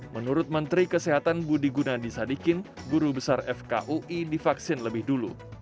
menurut menteri kesehatan budi gunadisadikin guru besar fkui divaksin lebih dulu